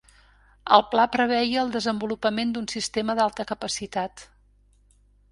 El pla preveia el desenvolupament d'un sistema d'alta capacitat.